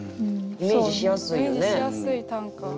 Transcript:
イメージしやすい短歌。